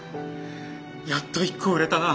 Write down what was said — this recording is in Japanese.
やっと１個売れたな。